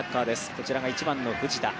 こちらが１番の藤田。